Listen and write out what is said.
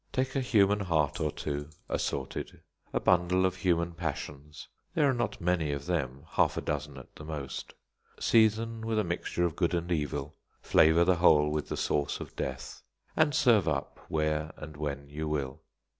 Take a human heart or two, assorted; a bundle of human passions there are not many of them, half a dozen at the most; season with a mixture of good and evil; flavour the whole with the sauce of death, and serve up where and when you will.